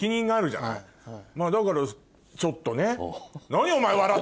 まぁだからちょっとね。